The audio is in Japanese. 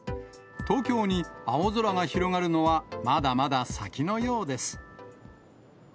東京に青空が広がるのはまだまだ先のようです。